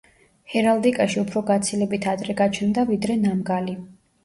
ჰერალდიკაში ურო გაცილებით ადრე გაჩნდა, ვიდრე ნამგალი.